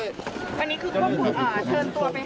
เราไปคุยกันที่หลวงพักครับ